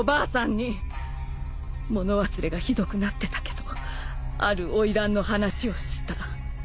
物忘れがひどくなってたけどある花魁の話をした。